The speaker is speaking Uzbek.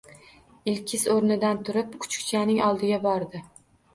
Ilkis o`rnidan turib, kuchukchaning oldiga bordi